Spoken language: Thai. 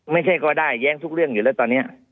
ไม่ใช่ก็ได้แย้งทุกเรื่องอยู่แล้วตอนนี้